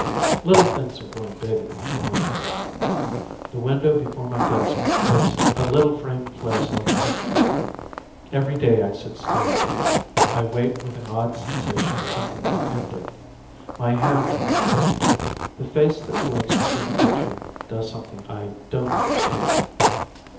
Little things are growing big in my mind. The window before my desk makes a little framed place like a picture. Every day I sit staring. I wait with an odd sensation of something impending. My hand trembles. The face that floats through the picture does something I don't understand.